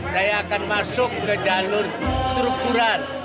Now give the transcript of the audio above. saya akan masuk ke jalur struktural